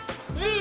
え？